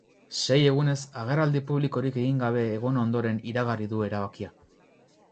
Sei egunez agerraldi publikorik egin gabe egon ondoren iragarri du erabakia.